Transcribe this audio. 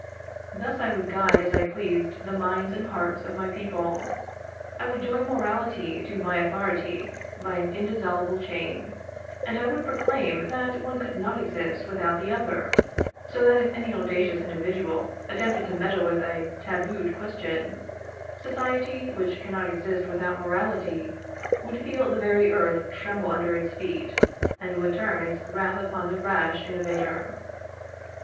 Thus I would guide as I pleased the minds and hearts of my people. I would join morality to my authority by an indissoluble chain, and I would proclaim that one could not exist without the other, so that if any audacious individual attempted to meddle with a tabooed question, society, which cannot exist without morality, would feel the very earth tremble under its feet, and would turn its wrath upon the rash innovator.